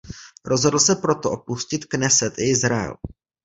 Rozhodl se proto opustit Kneset i Izrael.